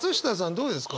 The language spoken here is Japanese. どうですか？